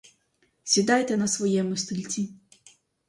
Сідайте на своєму стільці.